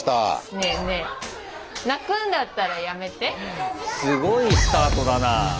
ねえねえすごいスタートだな。